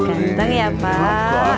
ganteng ya pak